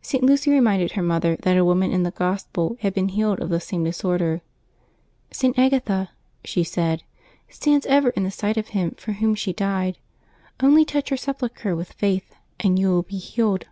St. Lucy reminded her mother that a woman in the Gospel had been healed of the same disorder. '' St. Agatha/' she said, "stands ever in the sight of Him for Whom she died. Only touch her sepulchre with faith, and you will be healed.